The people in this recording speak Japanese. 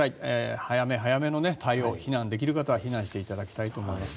早め早めの対応、避難できる方は避難していただきたいと思いますね。